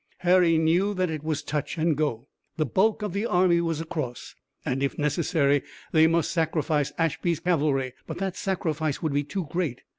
Harry knew that it was touch and go. The bulk of the army was across, and if necessary they must sacrifice Ashby's cavalry, but that sacrifice would be too great.